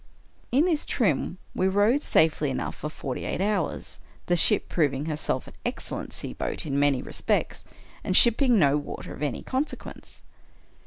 In this trim we rode safely enough for forty eight hours — the ship proving herself an excellent sea boat in many respects, and shipping no water of any consequence.